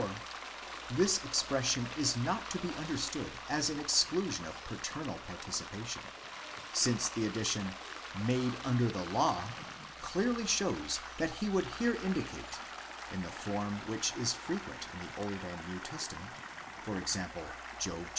4), this expression is not to be understood as an exclusion of paternal participation ; since the addition made under the law, γενόμενον ὑπὸ νόμον, clearly shows that he would here indicate (in the form which is frequent in the Old and New Testament, for example Job xiv.